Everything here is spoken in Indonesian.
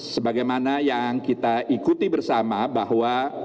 sebagaimana yang kita ikuti bersama bahwa